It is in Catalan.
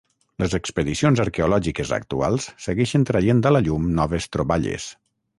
Les expedicions arqueològiques actuals segueixen traient a la llum noves troballes.